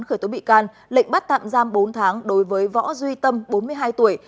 khởi tố bị can lệnh bắt tạm giam bốn tháng đối với võ duy tâm bốn mươi hai tuổi